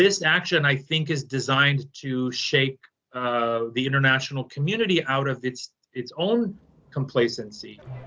akan saya pikir perang ini disesuaikan untuk membuat komunitas internasional keluar dari kegagalan mereka sendiri